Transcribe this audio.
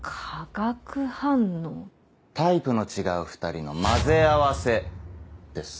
タイプの違う２人の混ぜ合わせです。